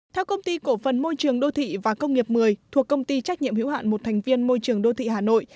theo công ty cổ phần môi trường đô thị và công nghiệp một mươi thuộc công ty trách nhiệm hữu hạn một thành viên môi trường đô thị hà nội